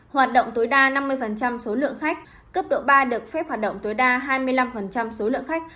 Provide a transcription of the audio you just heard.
hoạt động tối đa năm mươi số lượng khách cấp độ ba được phép hoạt động tối đa hai mươi năm số lượng khách